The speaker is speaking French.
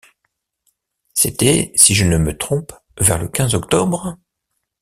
C’était, si je ne me trompe, vers le quinze octobre?